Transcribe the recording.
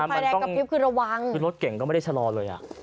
ไฟแดงกระพริบคือระวังคือรถเก่งก็ไม่ได้ชะลอเลยอ่ะ